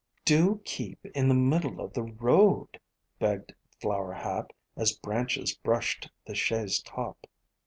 "Do keep in the middle of the road," begged Flower Hat, as branches brushed the chaise top.